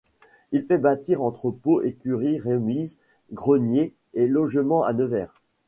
Il fait bâtir entrepôts, écuries, remises, greniers et logements à Nevers.